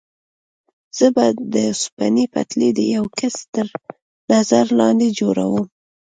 زه به د اوسپنې پټلۍ د یوه کس تر نظر لاندې جوړوم.